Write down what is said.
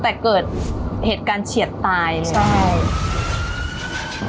แต่เกิดเหตุการณ์เฉียดตายเลยใช่